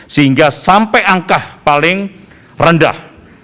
sehingga sampai angka paling rendah